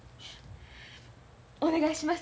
お願いします。